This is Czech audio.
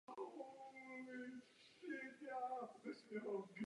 Frankové vedení Karlem v ní zastavili islámskou expanzi do Evropy.